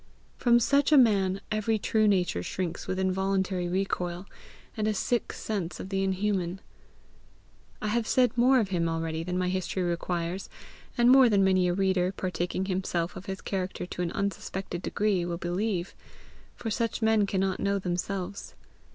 From such a man every true nature shrinks with involuntary recoil, and a sick sense of the inhuman. But I have said more of him already than my history requires, and more than many a reader, partaking himself of his character to an unsuspected degree, will believe; for such men cannot know themselves.